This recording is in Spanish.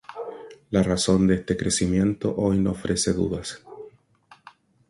La razón de este crecimiento hoy no ofrece dudas.